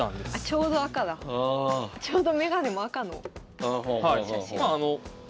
ちょうど眼鏡も赤の写真。